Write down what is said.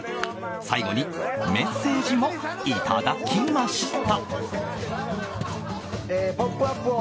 最後にメッセージもいただきました。